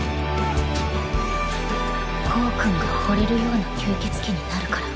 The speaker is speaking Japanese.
コウ君がほれるような吸血鬼になるから